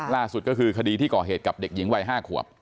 ล่าสุดก็คือคดีที่ก่อเหตุกับเด็กหญิงวัย๕ขวบ